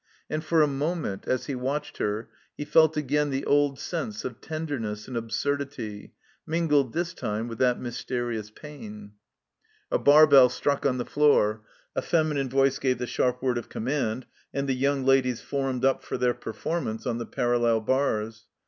And for a moment, as he watched her, he felt again the old sense of tenderness and absurdity, mingled, this time, with that mysterious pain. 83 THE COMBINED MAZE A barbell struck on the floor. A feminine voice gave the sharp word of command, and the Young Ladies formed up for their performance on the parallel bars.